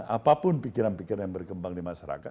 apapun pikiran pikiran yang berkembang di masyarakat